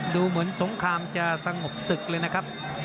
ดูเหมือนสงครามจะสงบศึกเลยนะครับ